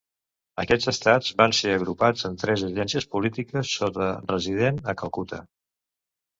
Aquests estats van ser agrupats en tres agències polítiques, sota "Resident" a Calcuta.